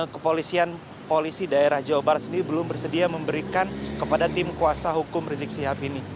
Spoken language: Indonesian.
kepolisian polisi daerah jawa barat sendiri belum bersedia memberikan kepada tim kuasa hukum rizik sihab ini